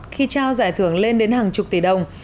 khi trao giải thưởng lên đến hàng chục tỷ đồng